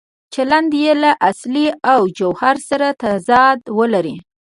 چلند یې له اصل او جوهر سره تضاد ولري.